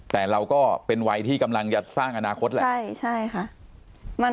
แต่เราก็เป็นวัยที่กำลังจะสร้างอนาคตแหละ